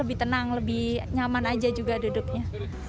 lebih tenang lebih nyaman aja juga duduknya